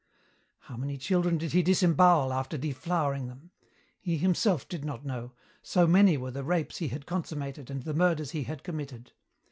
"How many children did he disembowel after deflowering them? He himself did not know, so many were the rapes he had consummated and the murders he had committed.